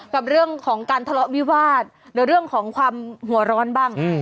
กับเรื่องของการทะเลาะวิวาสหรือเรื่องของความหัวร้อนบ้าง